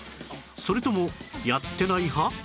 それともやってない派？